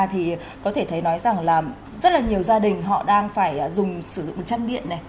thì có thể thấy nói rằng là rất là nhiều gia đình họ đang phải dùng sử dụng chăn điện này